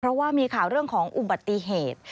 เพราะว่ามีข่าวเรื่องของอุบัติเหตุ